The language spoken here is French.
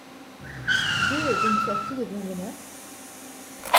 deux est donc sorti de bien bonne heure ?